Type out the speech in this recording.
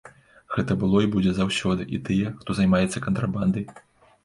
Гэта было і будзе заўсёды, і тыя, хто займаецца кантрабандай.